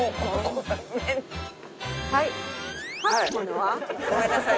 はい。